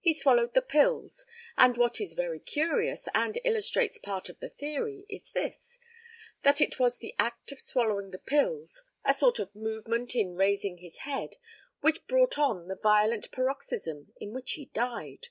He swallowed the pills, and, what is very curious, and illustrates part of the theory, is this that it was the act of swallowing the pills, a sort of movement in raising his head, which brought on the violent paroxysm in which he died.